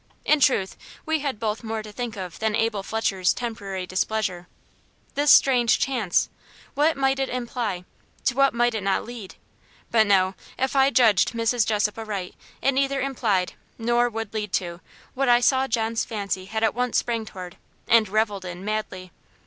In truth, we had both more to think of than Abel Fletcher's temporary displeasure. This strange chance what might it imply? to what might it not lead? But no: if I judged Mrs. Jessop aright, it neither implied, nor would lead to, what I saw John's fancy had at once sprang toward, and revelled in, madly.